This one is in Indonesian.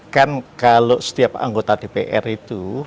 kan kalau setiap anggota dpr itu